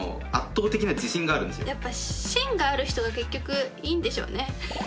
やっぱ芯がある人が結局いいんでしょうね。